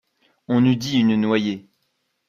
On eût dit une noyée.